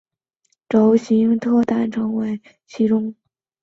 其中的新阿姆斯特丹成为今日纽约市的雏形。